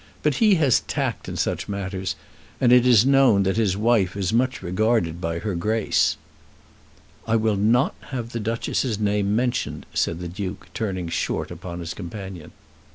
But he has tact in such matters, and it is known that his wife is much regarded by her Grace." "I will not have the Duchess's name mentioned," said the Duke, turning short upon his companion.